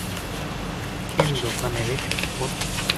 اِنھ لوکاں نے رچھ اُ